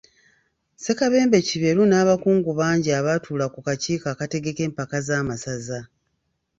Ssekabembe Kiberu n'abakungu bangi abatuula ku kakiiko akategeka empaka z'amasaza.